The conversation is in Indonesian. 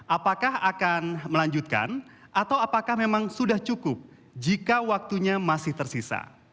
apakah akan melanjutkan atau apakah memang sudah cukup jika waktunya masih tersisa